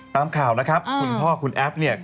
ตามข่าวนะครับคุณพ่อคุณแอฟเนี่ย